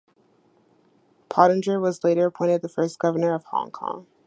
Pottinger was later appointed the first governor of Hong Kong.